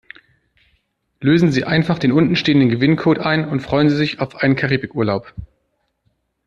Lösen Sie einfach den unten stehenden Gewinncode ein und freuen Sie sich auf einen Karibikurlaub.